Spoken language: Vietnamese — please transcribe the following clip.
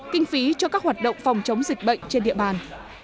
kinh phí cho các hoạt động phòng chống dịch bệnh trên địa bàn